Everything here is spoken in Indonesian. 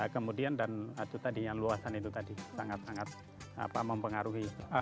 kemudian dan yang luasan itu tadi sangat sangat mempengaruhi